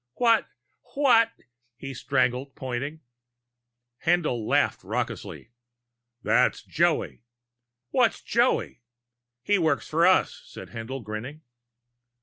"What What " he strangled, pointing. Haendl laughed raucously. "That's Joey." "What's Joey?" "He works for us," said Haendl, grinning.